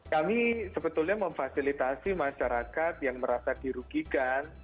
kami sebetulnya memfasilitasi masyarakat yang merasa dirugikan